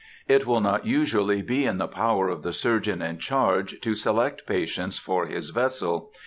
It will not usually be in the power of the surgeon in charge to select patients for his vessel.